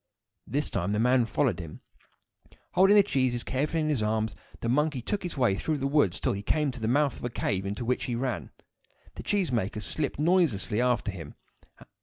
This time the man followed him. Holding the cheeses carefully in his arms, the monkey took his way through the woods till he came to the mouth of a cave, into which he ran. The cheese maker slipped noiselessly after him.